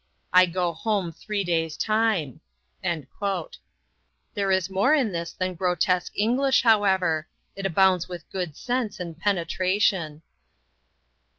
I go home three days time." There is more in this than grotesque English, however. It abounds with good sense and penetration.